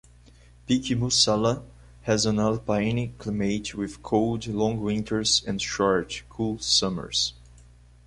Peak Musala has an alpine climate with cold, long winters and short, cool summers.